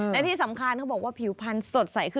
และที่สำคัญเขาบอกว่าผิวพันธุ์สดใสขึ้น